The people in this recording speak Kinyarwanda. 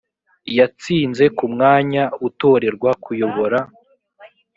yatsinze ku mwanya utorerwa kuyobora